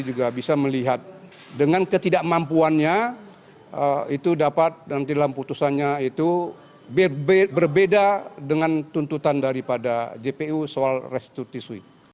juga bisa melihat dengan ketidakmampuannya itu dapat nanti dalam putusannya itu berbeda dengan tuntutan daripada jpu soal restitusi